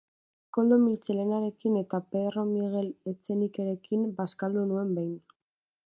Koldo Mitxelenarekin eta Pedro Miguel Etxenikerekin bazkaldu nuen behin.